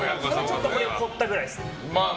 ちょっと凝ったぐらいです。